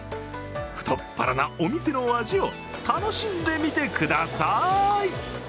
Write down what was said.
太っ腹なお店の味を楽しんでみてください。